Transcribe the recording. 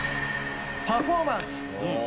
パフォーマンス！